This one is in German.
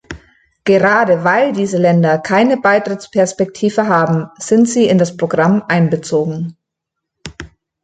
Gerade weil diese Länder keine Beitrittsperspektive haben, sind sie in das Programm einbezogen.